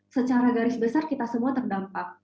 secara garis besar kita semua terdampak